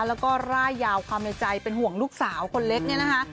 แล้วก็ร่ายยาวความในใจเป็นห่วงลูกสาวคนเล็กเนี่ยนะคะ